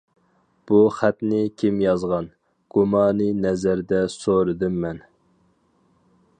بۇ خەتنى كىم يازغان؟ -گۇمانى نەزەردە سورىدىم مەن.